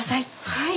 はい。